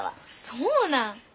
そうなん？